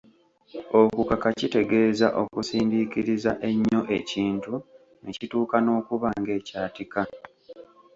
Okukaka kitegeeza okusindiikiriza ennyo ekintu ne kituuka n’okuba ng’ekyatika.